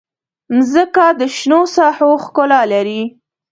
مځکه د شنو ساحو ښکلا لري.